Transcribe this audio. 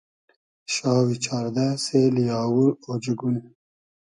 شاوی چاردۂ سېلی آوور اۉجئگون